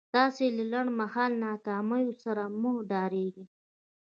تاسې له لنډ مهاله ناکاميو سره مه ډارېږئ.